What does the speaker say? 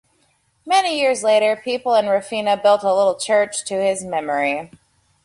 Many years later, people in Rafina built a little church to his memory.